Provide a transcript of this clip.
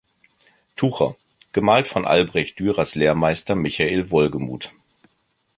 Tucher, gemalt von Albrecht Dürers Lehrmeister Michael Wolgemut.